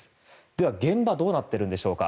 では、現場はどうなっているんでしょうか。